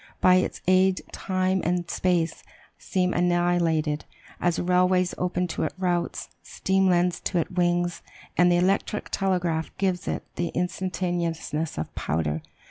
By its aid time and space seem annihilated, as "railways open to it routes, steam lends to it wings, and the electric telegraph gives it the instantaneousness of powder!"